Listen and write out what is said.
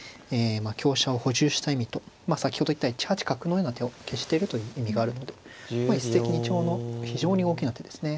香車を補充した意味と先ほど言ったように１八角のような手を消してるという意味があるので一石二鳥の非常に大きな手ですね。